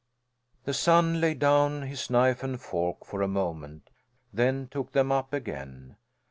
The son laid down his knife and fork for a moment, then took them up again.